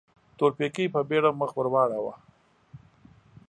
تورپيکۍ په بيړه مخ ور واړاوه.